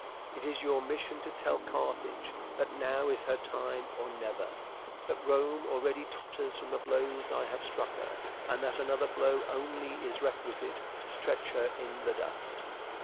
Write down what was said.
"It is your mission to tell Carthage that now is her time or never; that Rome already totters from the blows I have struck her, and that another blow only is requisite to stretch her in the dust.